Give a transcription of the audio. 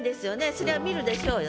そりゃ見るでしょうよ。